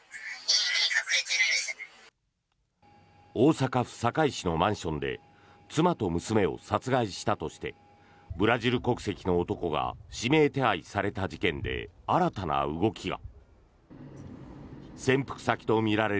大阪府堺市のマンションで妻と娘を殺害したとしてブラジル国籍の男が指名手配された事件で新たな動きが。